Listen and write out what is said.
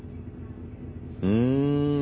うん。